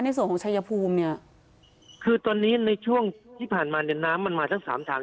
ในส่วนของชายภูมิเนี่ยคือตอนนี้ในช่วงที่ผ่านมาเนี่ยน้ำมันมาทั้งสามทาง